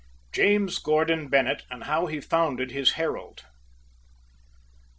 JAMES GORDON BENNETT, AND HOW HE FOUNDED HIS HERALD.